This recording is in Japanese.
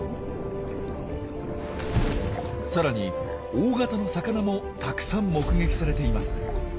さらに大型の魚もたくさん目撃されています。